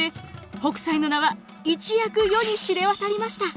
北斎の名は一躍世に知れ渡りました。